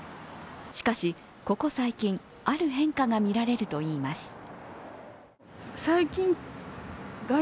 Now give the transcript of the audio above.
しかし、ここ最近、ある変化が見られるといいます。